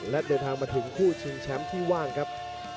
และเดินทางมาถึงคู่ชิงแชมป์ที่ว่างครับ